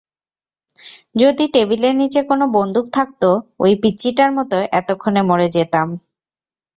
যদি টেবিলের নিচে কোনো বন্দুক থাকতো, ওই পিচ্চিটার মতো এতোক্ষণে মরে যেতাম।